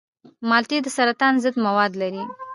مالټې د سرطان ضد مواد لري.